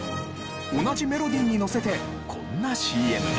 同じメロディーにのせてこんなＣＭが。